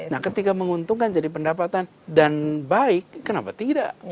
nah ketika menguntungkan jadi pendapatan dan baik kenapa tidak